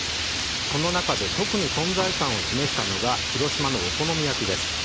その中で特に存在感を示したのは広島のお好み焼きです。